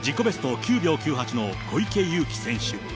９秒９８の小池祐貴選手。